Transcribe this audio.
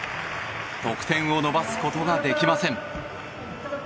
得点を伸ばすことができません。